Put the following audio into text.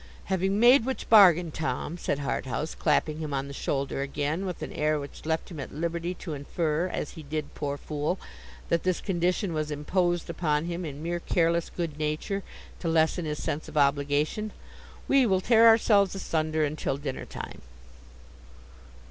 'Having made which bargain, Tom,' said Harthouse, clapping him on the shoulder again, with an air which left him at liberty to infer—as he did, poor fool—that this condition was imposed upon him in mere careless good nature to lessen his sense of obligation, 'we will tear ourselves asunder until dinner time.